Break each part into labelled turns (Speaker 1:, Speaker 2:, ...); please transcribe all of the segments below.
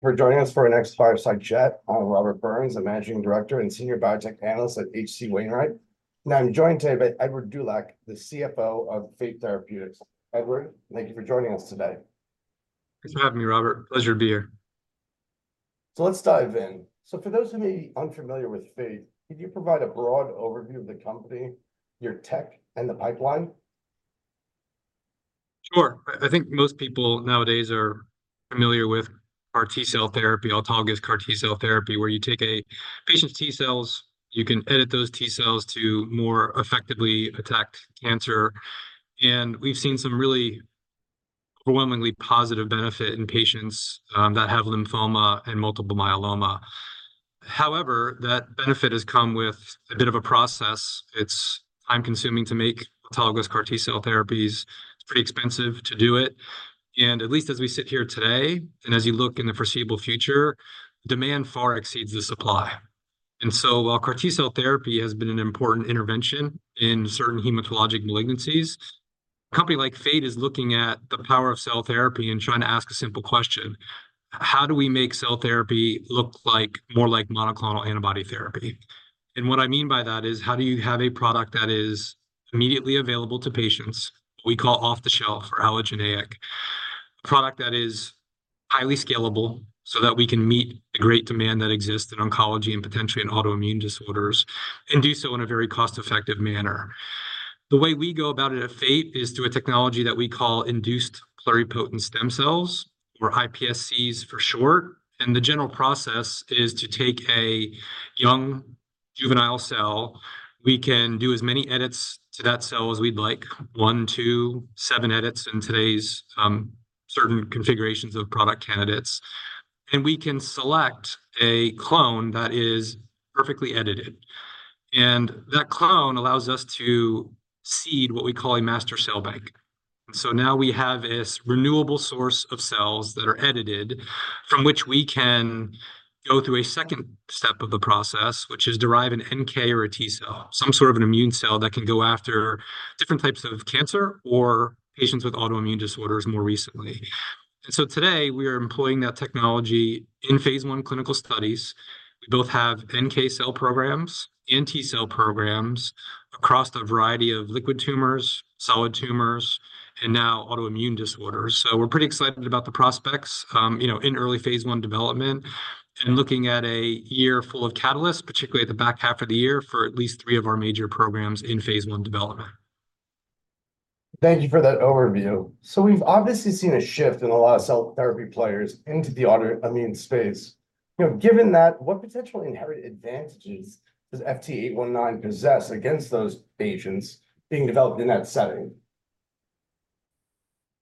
Speaker 1: For joining us for our next fireside chat. I'm Robert Burns, a managing director and senior biotech analyst at H.C. Wainwright, and I'm joined today by Edward Dulac, the CFO of Fate Therapeutics. Edward, thank you for joining us today.
Speaker 2: Thanks for having me, Robert. Pleasure to be here.
Speaker 1: So let's dive in. So for those of you unfamiliar with Fate, could you provide a broad overview of the company, your tech, and the pipeline?
Speaker 2: Sure. I think most people nowadays are familiar with CAR T-cell therapy, autologous CAR T-cell therapy, where you take a patient's T-cells, you can edit those T-cells to more effectively attack cancer, and we've seen some really overwhelmingly positive benefit in patients that have lymphoma and multiple myeloma. However, that benefit has come with a bit of a process. It's time-consuming to make autologous CAR T-cell therapies. It's pretty expensive to do it, and at least as we sit here today, and as you look in the foreseeable future, demand far exceeds the supply. And so while CAR T-cell therapy has been an important intervention in certain hematologic malignancies, a company like Fate is looking at the power of cell therapy and trying to ask a simple question: How do we make cell therapy look like more like monoclonal antibody therapy? And what I mean by that is, how do you have a product that is immediately available to patients, we call off-the-shelf or allogeneic, a product that is highly scalable, so that we can meet the great demand that exists in oncology and potentially in autoimmune disorders, and do so in a very cost-effective manner? The way we go about it at Fate is through a technology that we call induced pluripotent stem cells, or iPSCs for short, and the general process is to take a young juvenile cell. We can do as many edits to that cell as we'd like, one to seven edits in today's certain configurations of product candidates, and we can select a clone that is perfectly edited, and that clone allows us to seed what we call a master cell bank. So now we have this renewable source of cells that are edited, from which we can go through a second step of the process, which is derive an NK or a T-cell, some sort of an immune cell that can go after different types of cancer or patients with autoimmune disorders, more recently. And so today, we are employing that technology in phase I clinical studies. We both have NK cell programs and T-cell programs across a variety of liquid tumors, solid tumors, and now autoimmune disorders. So we're pretty excited about the prospects, you know, in early phase I development, and looking at a year full of catalysts, particularly at the back half of the year, for at least three of our major programs in phase I development.
Speaker 1: Thank you for that overview. So we've obviously seen a shift in a lot of cell therapy players into the autoimmune space. You know, given that, what potential inherent advantages does FT819 possess against those agents being developed in that setting?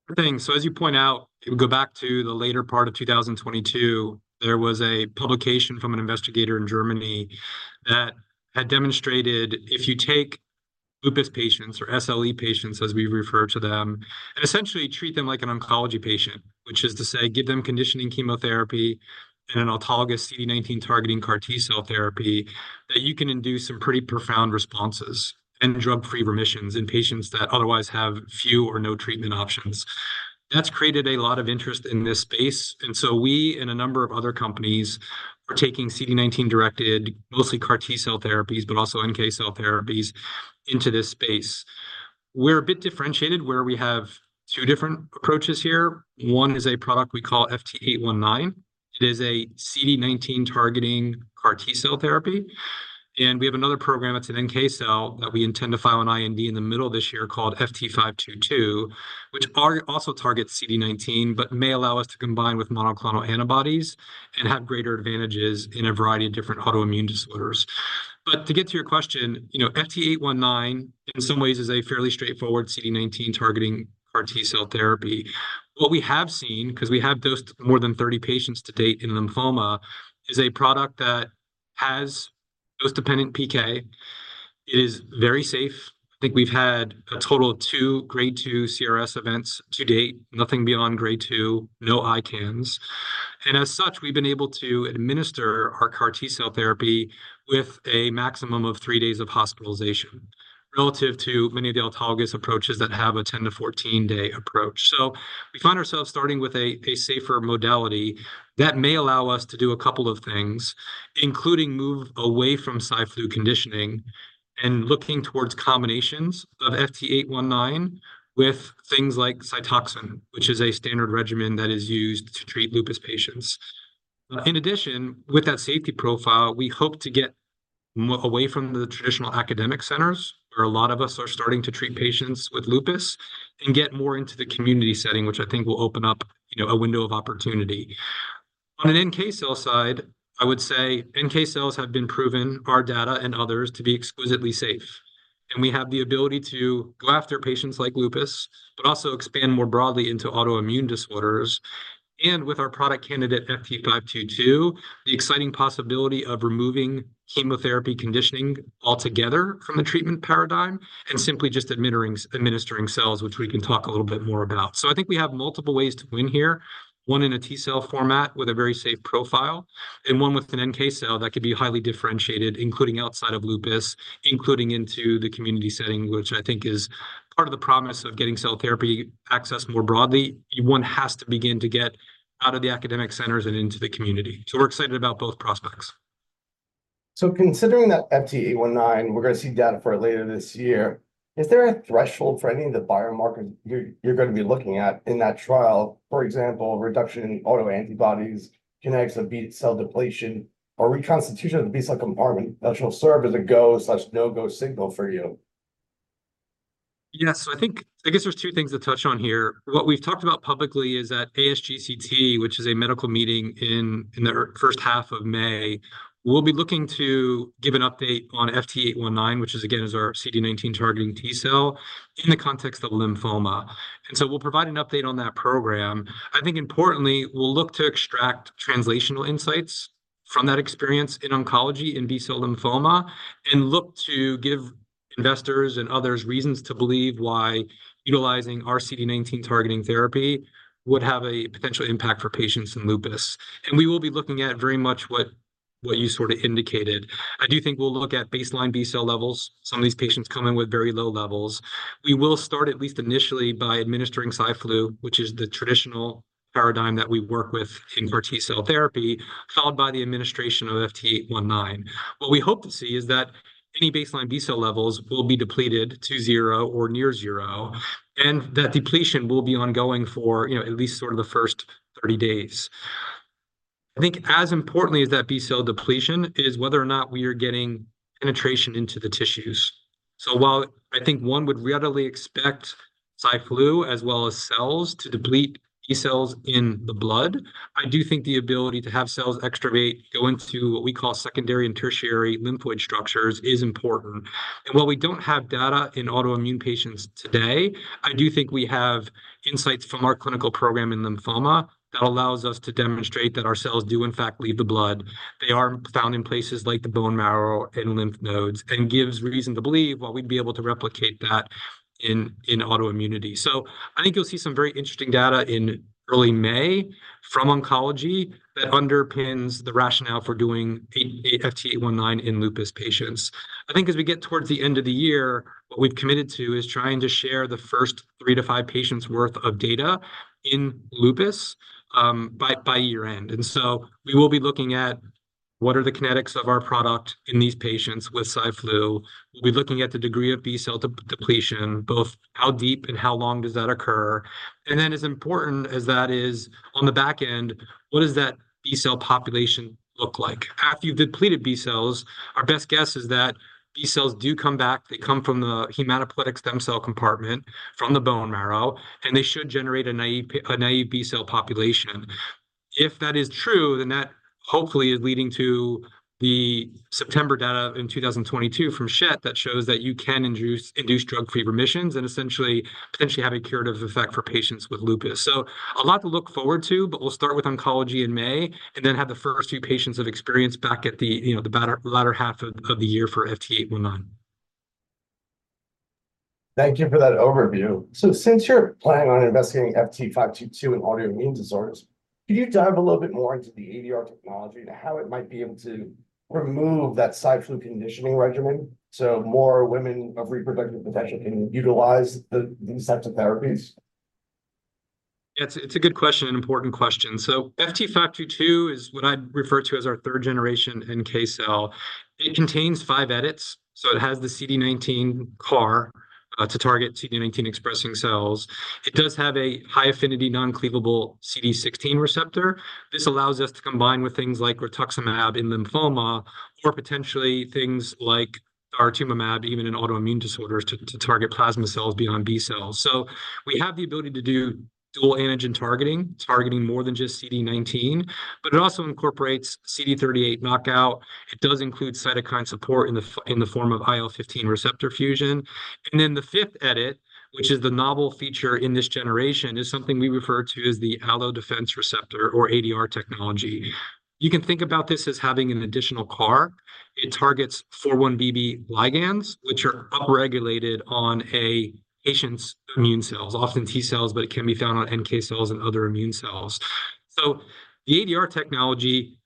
Speaker 2: Good thing. So as you point out, if we go back to the later part of 2022, there was a publication from an investigator in Germany that had demonstrated if you take lupus patients, or SLE patients, as we refer to them, and essentially treat them like an oncology patient, which is to say, give them conditioning chemotherapy and an autologous CD19-targeting CAR T-cell therapy, that you can induce some pretty profound responses and drug-free remissions in patients that otherwise have few or no treatment options. That's created a lot of interest in this space, and so we and a number of other companies are taking CD19-directed, mostly CAR T-cell therapies, but also NK cell therapies into this space. We're a bit differentiated, where we have two different approaches here. One is a product we call FT819. It is a CD19-targeting CAR T-cell therapy, and we have another program that's an NK cell that we intend to file an IND in the middle of this year, called FT522, which also targets CD19, but may allow us to combine with monoclonal antibodies and have greater advantages in a variety of different autoimmune disorders. But to get to your question, you know, FT819, in some ways, is a fairly straightforward CD19-targeting CAR T-cell therapy. What we have seen, 'cause we have dosed more than 30 patients to date in lymphoma, is a product that has dose-dependent PK. It is very safe. I think we've had a total of two Grade 2 CRS events to date, nothing beyond Grade 2, no ICANS, and as such, we've been able to administer our CAR T-cell therapy with a maximum of three days of hospitalization, relative to many of the autologous approaches that have a 10-14-day approach. So we find ourselves starting with a safer modality that may allow us to do a couple of things, including move away from Cy/Flu conditioning and looking towards combinations of FT819 with things like Cytoxan, which is a standard regimen that is used to treat lupus patients. In addition, with that safety profile, we hope to move away from the traditional academic centers, where a lot of us are starting to treat patients with lupus, and get more into the community setting, which I think will open up, you know, a window of opportunity. On an NK cell side, I would say NK cells have been proven, our data and others, to be exquisitely safe, and we have the ability to go after patients like lupus, but also expand more broadly into autoimmune disorders. With our product candidate, FT522, the exciting possibility of removing chemotherapy conditioning altogether from the treatment paradigm and simply just administering cells, which we can talk a little bit more about. I think we have multiple ways to win here, one in a T-cell format with a very safe profile, and one with an NK cell that could be highly differentiated, including outside of lupus, including into the community setting, which I think is part of the promise of getting cell therapy access more broadly. One has to begin to get out of the academic centers and into the community, so we're excited about both prospects. ...
Speaker 1: So considering that FT819, we're gonna see data for it later this year, is there a threshold for any of the biomarkers you're gonna be looking at in that trial? For example, reduction in autoantibodies, kinetics of B cell depletion, or reconstitution of the B cell compartment that will serve as a go/no-go signal for you.
Speaker 2: Yes, so I think, I guess there's two things to touch on here. What we've talked about publicly is at ASGCT, which is a medical meeting in the first half of May, we'll be looking to give an update on FT819, which is again our CD19 targeting T cell, in the context of lymphoma. And so we'll provide an update on that program. I think importantly, we'll look to extract translational insights from that experience in oncology, in B-cell lymphoma, and look to give investors and others reasons to believe why utilizing our CD19 targeting therapy would have a potential impact for patients in lupus. And we will be looking at very much what you sort of indicated. I do think we'll look at baseline B-cell levels. Some of these patients come in with very low levels. We will start, at least initially, by administering CyFlu, which is the traditional paradigm that we work with in our T-cell therapy, followed by the administration of FT819. What we hope to see is that any baseline B-cell levels will be depleted to 0 or near 0, and that depletion will be ongoing for, you know, at least sort of the first 30 days. I think as importantly as that B-cell depletion, is whether or not we are getting penetration into the tissues. So while I think one would readily expect CyFlu, as well as cells, to deplete B-cells in the blood, I do think the ability to have cells extravasate go into what we call secondary and tertiary lymphoid structures, is important. While we don't have data in autoimmune patients today, I do think we have insights from our clinical program in lymphoma that allows us to demonstrate that our cells do in fact leave the blood. They are found in places like the bone marrow and lymph nodes, and gives reason to believe that we'd be able to replicate that in autoimmunity. So I think you'll see some very interesting data in early May from oncology that underpins the rationale for doing FT819 in lupus patients. I think as we get towards the end of the year, what we've committed to is trying to share the first three to five patients' worth of data in lupus by year-end. And so we will be looking at what are the kinetics of our product in these patients with CyFlu. We'll be looking at the degree of B-cell depletion, both how deep and how long does that occur. And then as important as that is, on the back end, what does that B-cell population look like? After you've depleted B-cells, our best guess is that B-cells do come back. They come from the hematopoietic stem cell compartment, from the bone marrow, and they should generate a naive B-cell population. If that is true, then that hopefully is leading to the September data in 2022 from Schett, that shows that you can induce drug-free remissions, and essentially, potentially have a curative effect for patients with lupus. So, a lot to look forward to, but we'll start with oncology in May, and then have the first few patients' experience back at the, you know, the latter half of the year for FT819.
Speaker 1: Thank you for that overview. So since you're planning on investigating FT522 in autoimmune disorders, can you dive a little bit more into the ADR technology, to how it might be able to remove that CyFlu conditioning regimen, so more women of reproductive potential can utilize the, these types of therapies?
Speaker 2: It's a good question, an important question. So FT522 is what I'd refer to as our third generation NK cell. It contains five edits, so it has the CD19 CAR to target CD19 expressing cells. It does have a high-affinity, non-cleavable CD16 receptor. This allows us to combine with things like Rituximab in lymphoma, or potentially things like daratumumab, even in autoimmune disorders, to target plasma cells beyond B-cells. So we have the ability to do dual antigen targeting, targeting more than just CD19, but it also incorporates CD38 knockout. It does include cytokine support in the form of IL-15 receptor fusion. And then the fifth edit, which is the novel feature in this generation, is something we refer to as the Allo-immune Defense Receptor, or ADR technology. You can think about this as having an additional CAR. It targets 4-1BB ligands, which are upregulated on a patient's immune cells, often T-cells, but it can be found on NK cells and other immune cells. So the ADR technology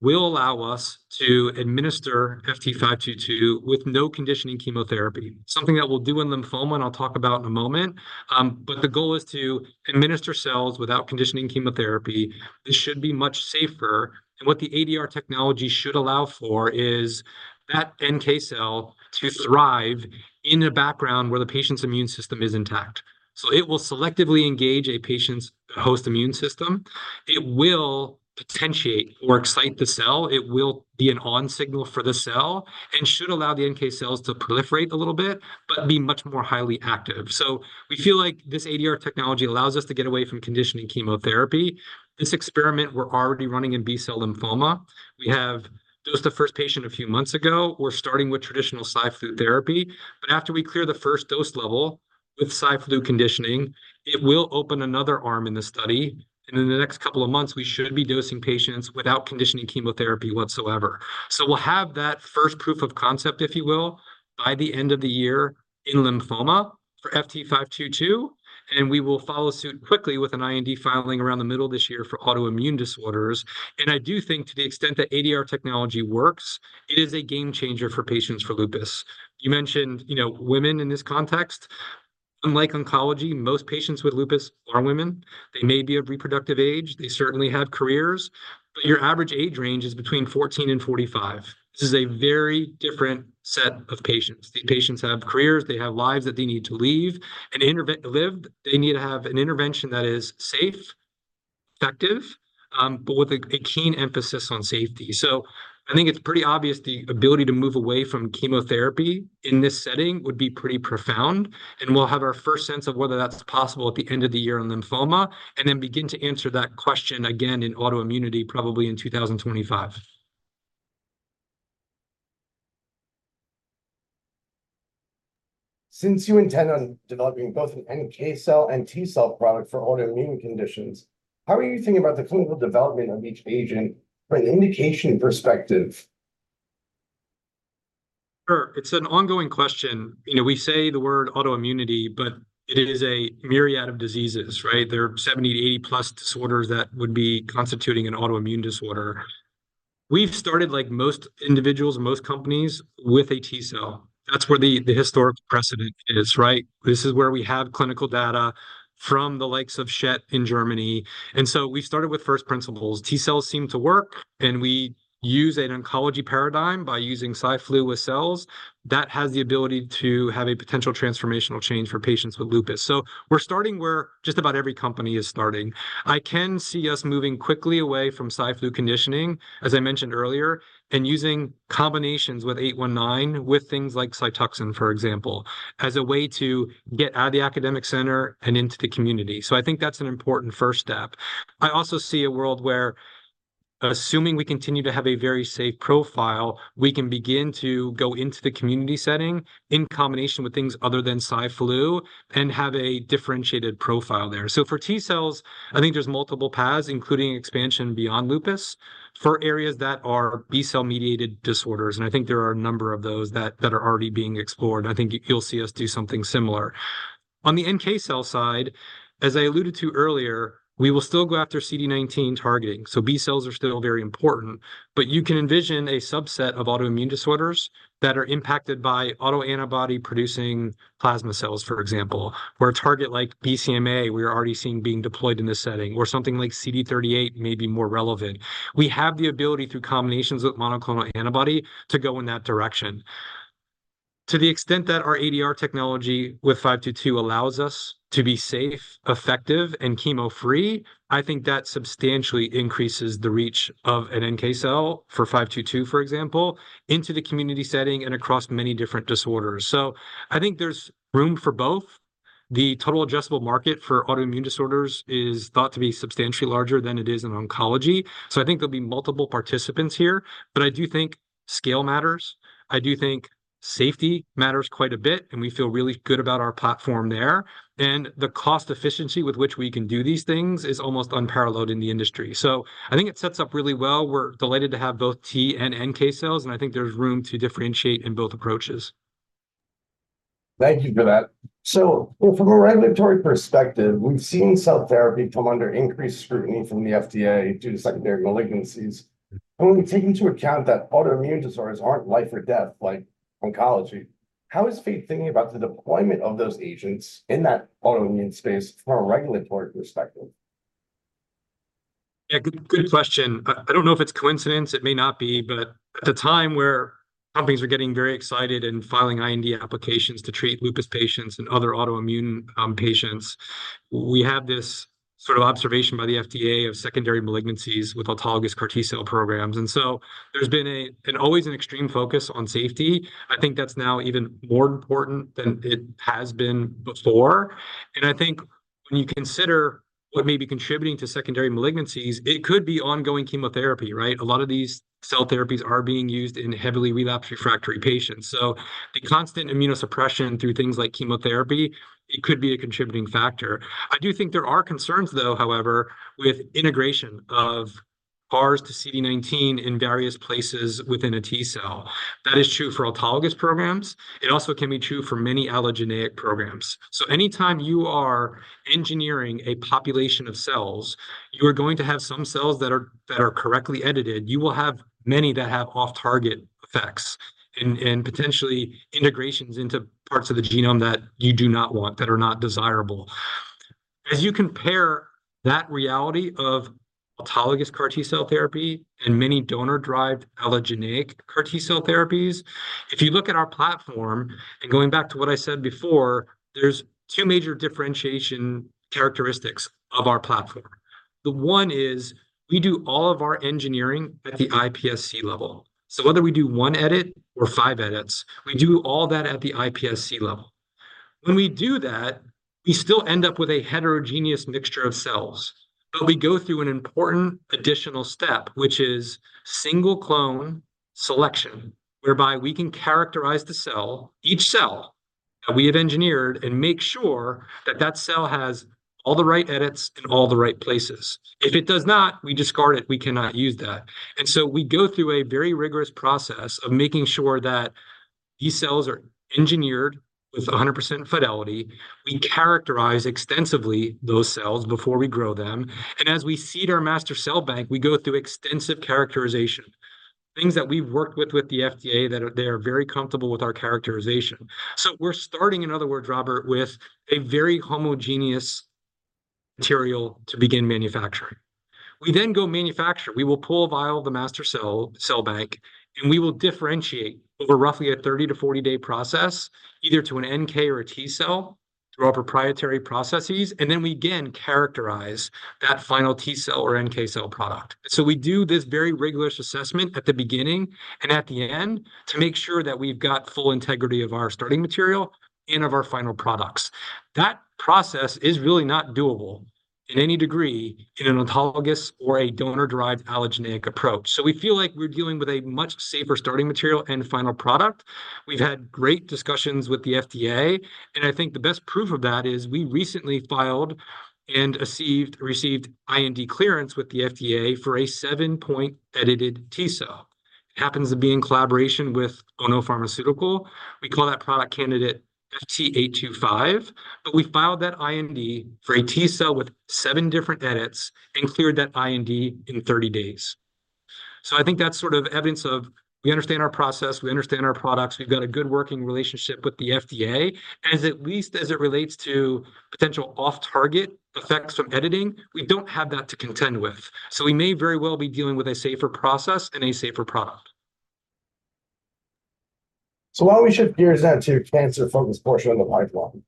Speaker 2: will allow us to administer FT522 with no conditioning chemotherapy, something that we'll do in lymphoma, and I'll talk about in a moment. But the goal is to administer cells without conditioning chemotherapy. This should be much safer, and what the ADR technology should allow for is that NK cell to thrive in a background where the patient's immune system is intact. So it will selectively engage a patient's host immune system. It will potentiate or excite the cell. It will be an on signal for the cell and should allow the NK cells to proliferate a little bit, but be much more highly active. So we feel like this ADR technology allows us to get away from conditioning chemotherapy. This experiment we're already running in B-cell lymphoma. We have dosed the first patient a few months ago. We're starting with traditional CyFlu therapy. But after we clear the first dose level with CyFlu conditioning, it will open another arm in the study, and in the next couple of months, we should be dosing patients without conditioning chemotherapy whatsoever. So we'll have that first proof of concept, if you will, by the end of the year in lymphoma for FT522, and we will follow suit quickly with an IND filing around the middle of this year for autoimmune disorders. And I do think to the extent that ADR technology works, it is a game changer for patients for lupus. You mentioned, you know, women in this context. Unlike oncology, most patients with lupus are women. They may be of reproductive age, they certainly have careers, but your average age range is between 14 and 45. This is a very different set of patients. These patients have careers, they have lives that they need to leave and to live. They need to have an intervention that is safe, effective, but with a keen emphasis on safety. So I think it's pretty obvious the ability to move away from chemotherapy in this setting would be pretty profound, and we'll have our first sense of whether that's possible at the end of the year on lymphoma, and then begin to answer that question again in autoimmunity, probably in 2025.
Speaker 1: Since you intend on developing both an NK cell and T cell product for autoimmune conditions, how are you thinking about the clinical development of each agent from an indication perspective?
Speaker 2: Sure. It's an ongoing question. You know, we say the word autoimmunity, but it is a myriad of diseases, right? There are 70-80+ disorders that would be constituting an autoimmune disorder. We've started like most individuals, most companies, with a T cell. That's where the historic precedent is, right? This is where we have clinical data from the likes of Schett in Germany. And so we've started with first principles. T cells seem to work, and we use an oncology paradigm by using CyFlu with cells. That has the ability to have a potential transformational change for patients with lupus. So we're starting where just about every company is starting. I can see us moving quickly away from CyFlu conditioning, as I mentioned earlier, and using combinations with 819, with things like Cytoxan, for example, as a way to get out of the academic center and into the community. So I think that's an important first step. I also see a world where, assuming we continue to have a very safe profile, we can begin to go into the community setting in combination with things other than CyFlu, and have a differentiated profile there. So for T cells, I think there's multiple paths, including expansion beyond lupus, for areas that are B-cell-mediated disorders, and I think there are a number of those that are already being explored. I think you'll see us do something similar. On the NK cell side, as I alluded to earlier, we will still go after CD19 targeting, so B cells are still very important. But you can envision a subset of autoimmune disorders that are impacted by autoantibody-producing plasma cells, for example, where a target like BCMA, we're already seeing being deployed in this setting, or something like CD38 may be more relevant. We have the ability through combinations with monoclonal antibody to go in that direction. To the extent that our ADR technology with FT522 allows us to be safe, effective, and chemo-free, I think that substantially increases the reach of an NK cell for FT522, for example, into the community setting and across many different disorders. So I think there's room for both. The total addressable market for autoimmune disorders is thought to be substantially larger than it is in oncology, so I think there'll be multiple participants here. But I do think scale matters, I do think safety matters quite a bit, and we feel really good about our platform there. And the cost efficiency with which we can do these things is almost unparalleled in the industry. So I think it sets up really well. We're delighted to have both T and NK cells, and I think there's room to differentiate in both approaches.
Speaker 1: Thank you for that. So, well, from a regulatory perspective, we've seen cell therapy come under increased scrutiny from the FDA due to secondary malignancies. But when we take into account that autoimmune disorders aren't life or death like oncology, how is Fate thinking about the deployment of those agents in that autoimmune space from a regulatory perspective?
Speaker 2: Yeah, good, good question. I, I don't know if it's coincidence, it may not be, but at the time where companies were getting very excited and filing IND applications to treat lupus patients and other autoimmune patients, we had this sort of observation by the FDA of secondary malignancies with autologous CAR T-cell programs. And so there's been always an extreme focus on safety. I think that's now even more important than it has been before. I think when you consider what may be contributing to secondary malignancies, it could be ongoing chemotherapy, right? A lot of these cell therapies are being used in heavily relapsed refractory patients. So the constant immunosuppression through things like chemotherapy, it could be a contributing factor. I do think there are concerns, though, however, with integration of viral vectors to CD19 in various places within a T-cell. That is true for autologous programs. It also can be true for many allogeneic programs. So anytime you are engineering a population of cells, you are going to have some cells that are, that are correctly edited. You will have many that have off-target effects and, and potentially integrations into parts of the genome that you do not want, that are not desirable. As you compare that reality of autologous CAR T-cell therapy and many donor-derived allogeneic CAR T-cell therapies, if you look at our platform, and going back to what I said before, there's two major differentiation characteristics of our platform. The one is we do all of our engineering at the iPSC level. So whether we do one edit or five edits, we do all that at the iPSC level. When we do that, we still end up with a heterogeneous mixture of cells, but we go through an important additional step, which is single clone selection, whereby we can characterize the cell, each cell that we have engineered, and make sure that that cell has all the right edits in all the right places. If it does not, we discard it. We cannot use that. And so we go through a very rigorous process of making sure that these cells are engineered with 100% fidelity. We characterize extensively those cells before we grow them, and as we seed our master cell bank, we go through extensive characterization... things that we've worked with with the FDA, that they are very comfortable with our characterization. So we're starting, in other words, Robert, with a very homogeneous material to begin manufacturing. We then go manufacture. We will pull a vial of the master cell, cell bank, and we will differentiate over roughly a 30-40-day process, either to an NK or a T cell, through our proprietary processes, and then we again characterize that final T cell or NK cell product. So we do this very rigorous assessment at the beginning and at the end to make sure that we've got full integrity of our starting material and of our final products. That process is really not doable in any degree in an autologous or a donor-derived allogeneic approach. So we feel like we're dealing with a much safer starting material and final product. We've had great discussions with the FDA, and I think the best proof of that is we recently filed and received IND clearance with the FDA for a seven point edited T cell. It happens to be in collaboration with Ono Pharmaceutical. We call that product candidate FT825. But we filed that IND for a T-cell with seven different edits and cleared that IND in 30 days. So I think that's sort of evidence of we understand our process, we understand our products, we've got a good working relationship with the FDA. As at least as it relates to potential off-target effects from editing, we don't have that to contend with. So we may very well be dealing with a safer process and a safer product.
Speaker 1: So why don't we shift gears now to cancer-focused portion of the pipeline?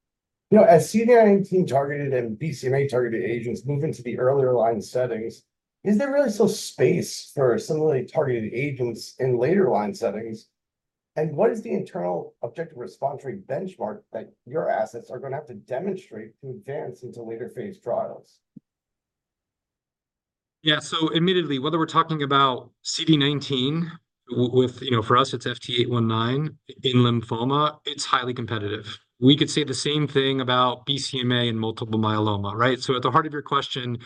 Speaker 1: You know, as CD19-targeted and BCMA-targeted agents move into the earlier line settings, is there really still space for similarly targeted agents in later line settings? And what is the internal objective response rate benchmark that your assets are going to have to demonstrate to advance into later phase trials?
Speaker 2: Yeah. So admittedly, whether we're talking about CD19, with, you know, for us, it's FT819, in lymphoma, it's highly competitive. We could say the same thing about BCMA in multiple myeloma, right? So at the heart of your question,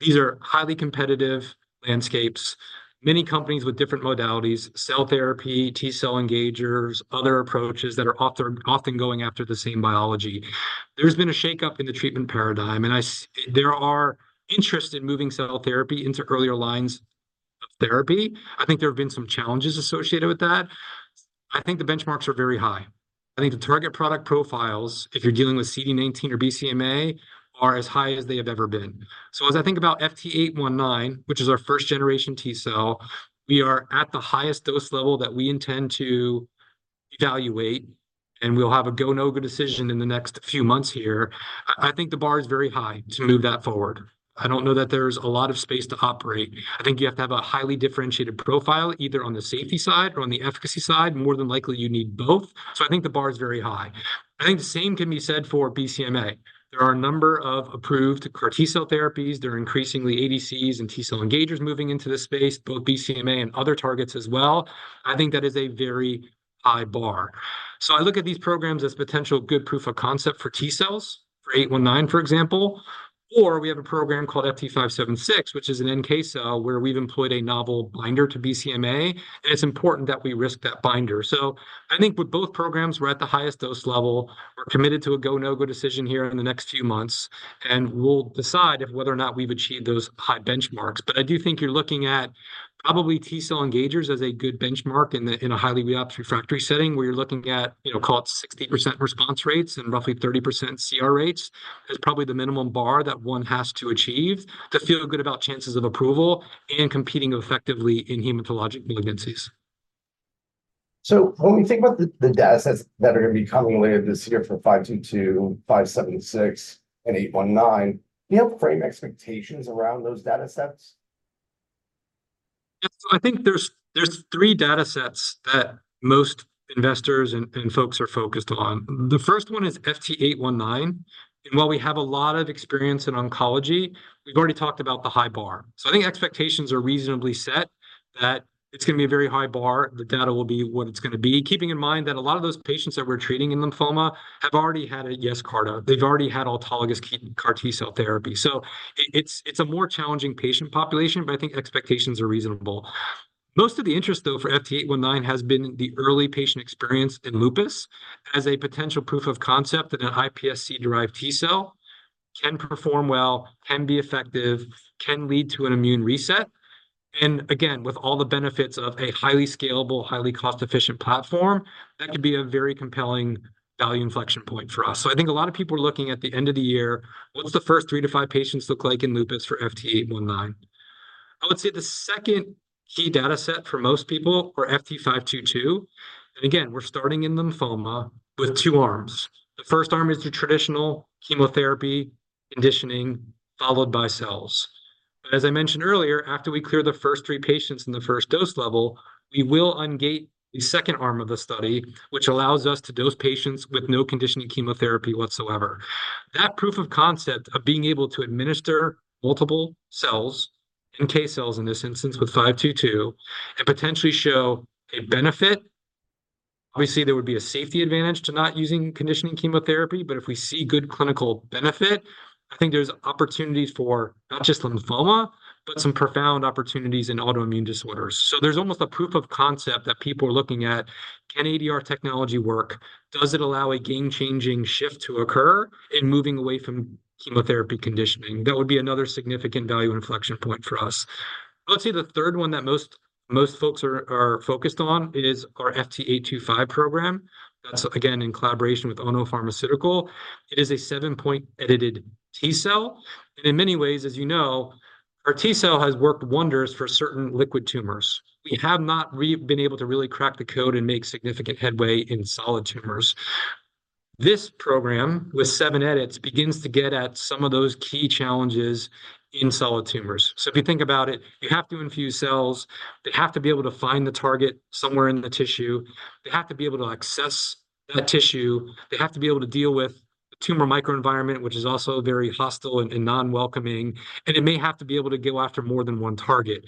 Speaker 2: these are highly competitive landscapes, many companies with different modalities, cell therapy, T cell engagers, other approaches that are often, often going after the same biology. There's been a shake-up in the treatment paradigm, and there are interest in moving cell therapy into earlier lines of therapy. I think there have been some challenges associated with that. I think the benchmarks are very high. I think the target product profiles, if you're dealing with CD19 or BCMA, are as high as they have ever been. So as I think about FT819, which is our first-generation T cell, we are at the highest dose level that we intend to evaluate, and we'll have a go, no-go decision in the next few months here. I, I think the bar is very high to move that forward. I don't know that there's a lot of space to operate. I think you have to have a highly differentiated profile, either on the safety side or on the efficacy side. More than likely, you need both. So I think the bar is very high. I think the same can be said for BCMA. There are a number of approved CAR T cell therapies. There are increasingly ADCs and T cell engagers moving into this space, both BCMA and other targets as well. I think that is a very high bar. So I look at these programs as potential good proof of concept for T cells, for 819, for example, or we have a program called FT576, which is an NK cell, where we've employed a novel binder to BCMA, and it's important that we risk that binder. So I think with both programs, we're at the highest dose level. We're committed to a go, no-go decision here in the next few months, and we'll decide if whether or not we've achieved those high benchmarks. But I do think you're looking at probably T cell engagers as a good benchmark in the, in a highly refractory setting, where you're looking at, you know, call it 60% response rates and roughly 30% CR rates, is probably the minimum bar that one has to achieve to feel good about chances of approval and competing effectively in hematologic malignancies.
Speaker 1: So when we think about the datasets that are going to be coming later this year for 522, 576, and 819, do you have frame expectations around those datasets?
Speaker 2: Yeah. So I think there's three datasets that most investors and folks are focused on. The first one is FT819, and while we have a lot of experience in oncology, we've already talked about the high bar. So I think expectations are reasonably set, that it's going to be a very high bar. The data will be what it's going to be. Keeping in mind that a lot of those patients that we're treating in lymphoma have already had a Yescarta. They've already had autologous CAR T-cell therapy. So it's a more challenging patient population, but I think expectations are reasonable. Most of the interest, though, for FT819 has been the early patient experience in lupus as a potential proof of concept that an iPSC-derived T-cell can perform well, can be effective, can lead to an immune reset. And again, with all the benefits of a highly scalable, highly cost-efficient platform, that could be a very compelling value inflection point for us. So I think a lot of people are looking at the end of the year, what does the first three to five patients look like in lupus for FT819? I would say the second key dataset for most people are FT522. And again, we're starting in lymphoma with two arms. The first arm is the traditional chemotherapy, conditioning, followed by cells. But as I mentioned earlier, after we clear the first three patients in the first dose level, we will ungate the second arm of the study, which allows us to dose patients with no conditioning chemotherapy whatsoever. That proof of concept of being able to administer multiple cells, NK cells in this instance, with 522, and potentially show a benefit... Obviously, there would be a safety advantage to not using conditioning chemotherapy, but if we see good clinical benefit, I think there's opportunities for not just lymphoma, but some profound opportunities in autoimmune disorders. There's almost a proof of concept that people are looking at. Can ADR technology work? Does it allow a game-changing shift to occur in moving away from chemotherapy conditioning? That would be another significant value inflection point for us. I would say the third one that most folks are focused on is our FT825 program. That's, again, in collaboration with Ono Pharmaceutical. It is a 7-point edited T cell, and in many ways, as you know, our T cell has worked wonders for certain liquid tumors. We have not been able to really crack the code and make significant headway in solid tumors. This program, with seven edits, begins to get at some of those key challenges in solid tumors. So if you think about it, you have to infuse cells, they have to be able to find the target somewhere in the tissue, they have to be able to access that tissue, they have to be able to deal with the tumor microenvironment, which is also very hostile and non-welcoming, and it may have to be able to go after more than one target.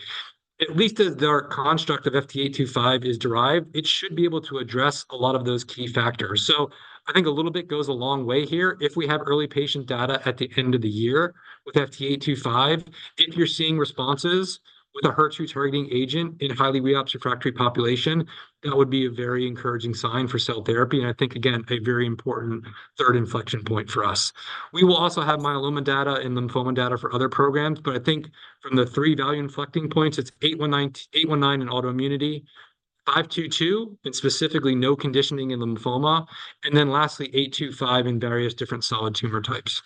Speaker 2: At least as our construct of FT825 is derived, it should be able to address a lot of those key factors. So I think a little bit goes a long way here. If we have early patient data at the end of the year with FT825, if you're seeing responses with a HER2 targeting agent in a highly refractory population, that would be a very encouraging sign for cell therapy, and I think, again, a very important third inflection point for us. We will also have myeloma data and lymphoma data for other programs, but I think from the three value inflection points, it's 819 in autoimmunity, 522, and specifically no conditioning in lymphoma, and then lastly, 825 in various different solid tumor types.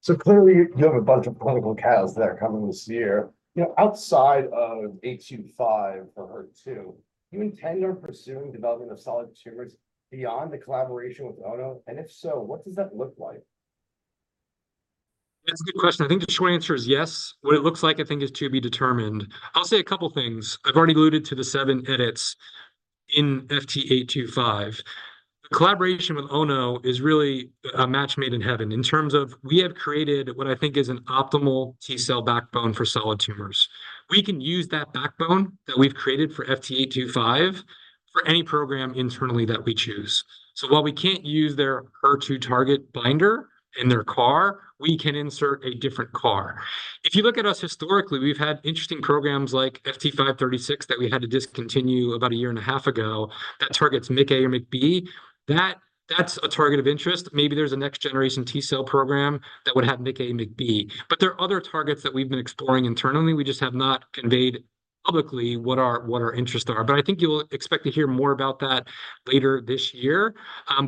Speaker 1: So clearly, you have a bunch of clinical trials that are coming this year. You know, outside of 825 for HER2, do you intend on pursuing development of solid tumors beyond the collaboration with Ono? And if so, what does that look like?
Speaker 2: That's a good question. I think the short answer is yes. What it looks like, I think, is to be determined. I'll say a couple things. I've already alluded to the seven edits in FT825. The collaboration with Ono is really a match made in heaven in terms of we have created what I think is an optimal T cell backbone for solid tumors. We can use that backbone that we've created for FT825 for any program internally that we choose. So while we can't use their HER2 target binder and their CAR, we can insert a different CAR. If you look at us historically, we've had interesting programs like FT536 that we had to discontinue about a year and a half ago, that targets MICA or MICB. That's a target of interest. Maybe there's a next generation T cell program that would have MICA and MICB. But there are other targets that we've been exploring internally. We just have not conveyed publicly what our interests are. But I think you'll expect to hear more about that later this year.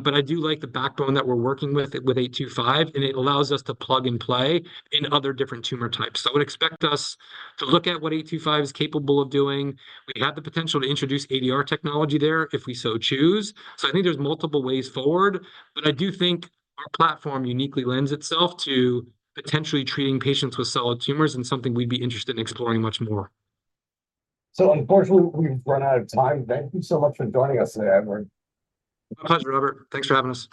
Speaker 2: But I do like the backbone that we're working with, with 825, and it allows us to plug and play in other different tumor types. So I would expect us to look at what 825 is capable of doing. We have the potential to introduce ADR technology there, if we so choose. So I think there's multiple ways forward, but I do think our platform uniquely lends itself to potentially treating patients with solid tumors, and something we'd be interested in exploring much more.
Speaker 1: Unfortunately, we've run out of time. Thank you so much for joining us today, Edward.
Speaker 2: My pleasure, Robert. Thanks for having us.